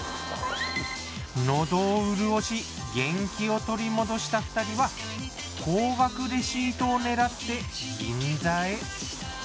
喉を潤し元気を取り戻した２人は高額レシートを狙って銀座へ。